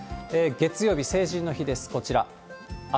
月曜日、成人の日です、こちら。